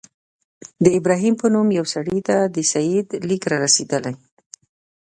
د ابراهیم په نوم یوه سړي ته د سید لیک را رسېدلی.